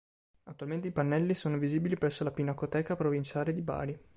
Attualmente i pannelli sono visibili presso la Pinacoteca provinciale di Bari.